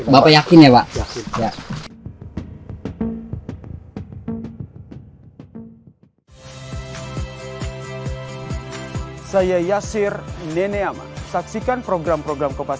bapak yakin ya pak